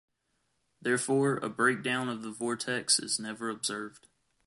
Therefore a breakdown of the vortex is never observed.